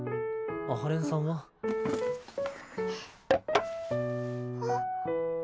阿波連さんは？あっ。